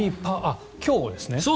今日をですね。